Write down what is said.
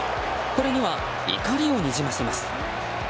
これには怒りをにじませます。